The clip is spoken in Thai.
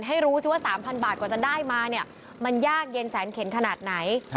ให้รู้สิว่า๓๐๐บาทกว่าจะได้มาเนี่ยมันยากเย็นแสนเข็นขนาดไหน